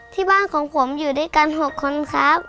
ที่บ้านของผมอยู่ด้วยกัน๖คนครับ